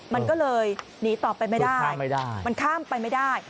มันก็เลยหนีต่อไปไม่ได้มันข้ามไปไม่ได้